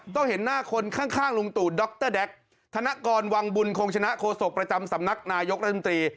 เห็นหน้าคนข้างลุงตู่ดรแด๊กธนกรวังบุญคงชนะโฆษกประจำสำนักนายกรัฐมนตรี